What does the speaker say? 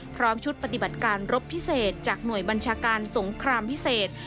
พร้อมชุดปฏิบัติการรบพิเศษจากหน่วยบัญชาการสงครามพิเศษ